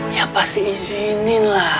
ya pasti izinin lah